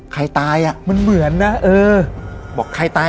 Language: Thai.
ใครตายมันเหมือนนะเออ